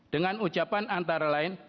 dengan ucapan antara lain